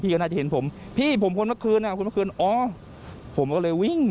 ก็น่าจะเห็นผมพี่ผมคนเมื่อคืนอ่ะคนเมื่อคืนอ๋อผมก็เลยวิ่ง